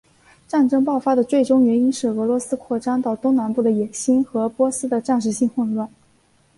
战争爆发的最终原因是俄罗斯扩张到东南部的野心和波斯的暂时性混乱。